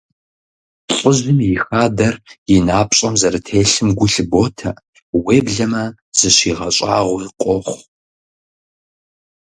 ЛӀыжьым и хадэр и напщӀэм зэрытелъым гу лъыботэ, уеблэмэ зыщигъэщӀагъуи къохъу.